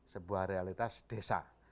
sebuah realitas desa